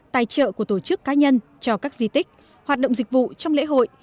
tài trợ của tổ chức cá nhân cho các di tích hoạt động dịch vụ trong lễ hội